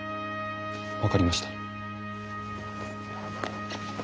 分かりました。